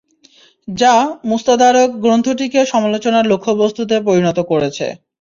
যা মুস্তাদরাক গ্রন্থটিকে সমালোচনার লক্ষ্যবস্তুতে পরিণত করেছে।